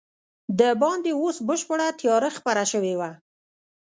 دباندې اوس بشپړه تیاره خپره شوې وه.